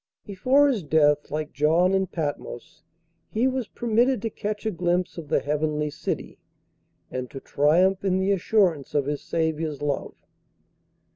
Before his death, like John in Patmos, he was permitted to catch a glimpse of the heavenly city, and to triumph in the assurance of his Saviour's love.